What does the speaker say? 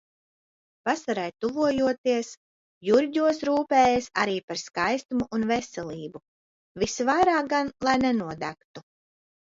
Vasarai tuvojoties, Jurģos rūpējas arī par skaistumu un veselību, visvairāk gan lai nenodegtu.